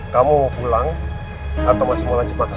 kamu pulang atau masih mau lanjut makan